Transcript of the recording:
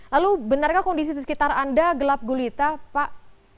lalu benarkah kondisi di sekitar anda gelap gulita pak